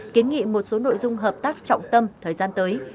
kiến nghị một số nội dung hợp tác trọng tâm thời gian tới